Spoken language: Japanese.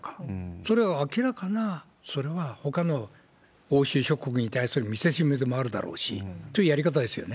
それは明らかな、それは、ほかの欧州諸国に対する見せしめでもあるだろうし、というやり方ですよね。